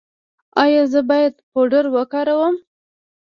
ایا زه باید پاوډر وکاروم؟